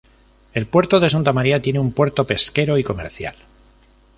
El Puerto de Santa María tiene un puerto pesquero y comercial.